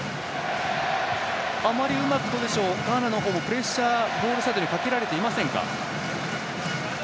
あまり、うまくガーナの方プレッシャー、ゴールサイドにかけられていませんか。